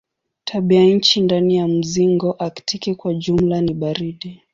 Tabianchi ndani ya mzingo aktiki kwa jumla ni baridi.